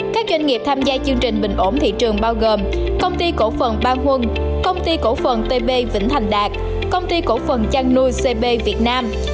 các doanh nghiệp tham gia chương trình bình ổn thị trường bao gồm công ty cổ phần ban huân công ty cổ phần tp vĩnh thành đạt công ty cổ phần trăng nuôi cp việt nam